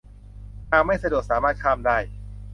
หากไม่สะดวกสามารถข้ามได้